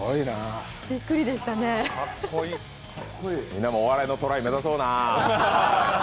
みんなもお笑いのトライ目指そうな。